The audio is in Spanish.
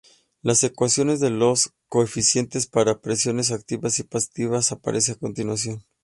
Las ecuaciones de los coeficientes para presiones activas y pasivas aparecen a continuación.